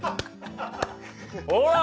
ほら！